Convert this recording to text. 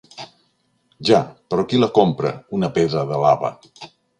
Ja, però qui la compra, una pedra de lava?